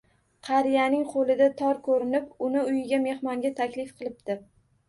Qariyaning qo‘lida tor ko‘rib, uni uyiga mehmonga taklif qilibdi